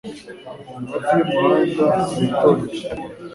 Hafi y'umuhanda hari itorero.